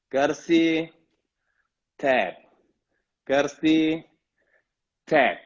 kerci tap kerci tap